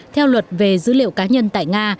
theo luật về dữ liệu cá nhân tại nga